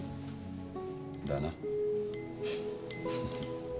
だな。